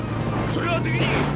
それはできねえ！